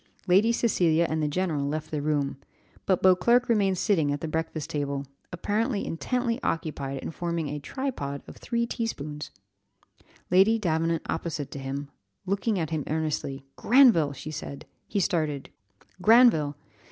Lady Cecilia and the general left the room, but Beauclerc remained sitting at the breakfast table, apparently intently occupied in forming a tripod of three tea spoons; Lady Davenant opposite to him, looking at him earnestly, "Granville!" said she. He started, "Granville!